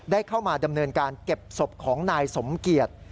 ได้เข้ามาดำเนินการเก็บศพของนายสมเกียจ